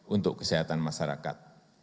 untuk kesehatan masyarakat